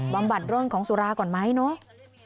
บำบัดเรื่องของสุราก่อนไหมเนาะ